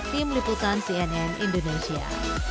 tim liputan cnn indonesia